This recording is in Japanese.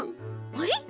あれ？